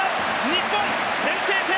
日本、先制点。